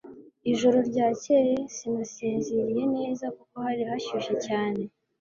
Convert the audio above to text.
Ijoro ryakeye sinasinziriye neza kuko hari hashyushye cyane